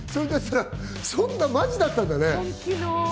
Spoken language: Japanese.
そんなマジだったんだね。